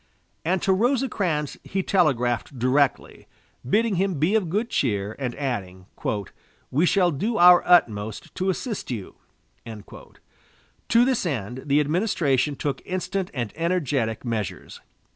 And to Rosecrans he telegraphed directly, bidding him be of good cheer, and adding: "We shall do our utmost to assist you." To this end the administration took instant and energetic measures.